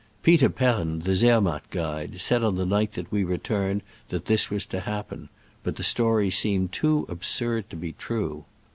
Peter Perrn, the Zermatt guide, said on the night that we returned that this was to happen, but the story seemed too absurd to be true.